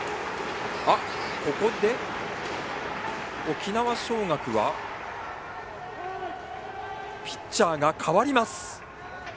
ここで沖縄尚学はピッチャーが代わります。